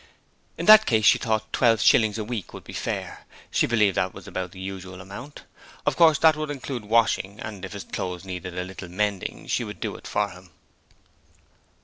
In that case she thought twelve shillings a week would be fair. She believed that was about the usual amount. Of course that would include washing, and if his clothes needed a little mending she would do it for him.